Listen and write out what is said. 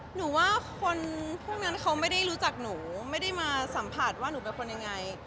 หนูว่าคนพวกนั้นเขาไม่ได้รู้จักหนูไม่ได้มาสัมผัสว่าหนูเป็นคนยังไง